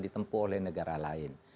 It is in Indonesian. ditempuh oleh negara lain